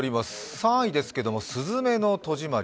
３位ですけれども、「すずめの戸締り」。